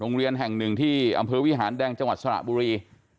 โรงเรียนแห่งหนึ่งที่อำเภอวิหารแดงจังหวัดสระบุรี